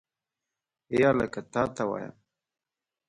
هې هلکه تا ته وایم.